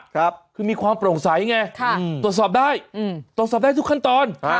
คือมีความโปร่งใสไงตรวจสอบได้ตรวจสอบได้ทุกขั้นตอน